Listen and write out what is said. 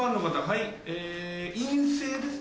はい陰性です。